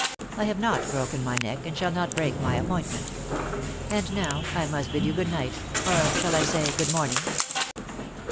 "I have not broken my neck, and shall not break my appointment. And, now, I must bid you good night; or shall I say good morning?"